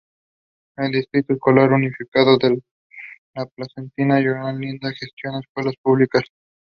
He remained in service when his initial term of service expired.